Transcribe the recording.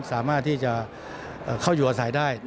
สามารถที่จะเข้าอยู่อาศัยได้